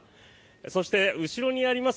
そして後ろにあります